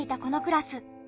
このクラス。